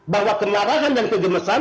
bahwa kemarahan dan kegemesan